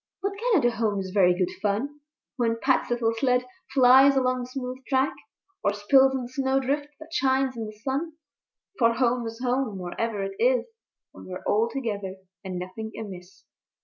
But Canada Home is very good fun When Pat's little sled flies along the smooth track, Or spills in the snowdrift that shines in the sun. For Home is Home wherever it is, When we're all together and nothing amiss.